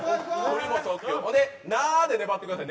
なーで粘ってください